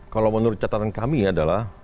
kalau menurut catatan kami adalah